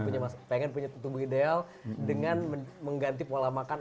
pengen punya tubuh ideal dengan mengganti pola makan